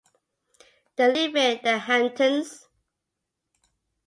They live in The Hamptons.